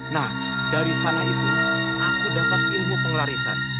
nah dari sana itu aku dapat ilmu pengelarisan